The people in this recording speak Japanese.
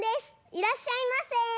いらっしゃいませ！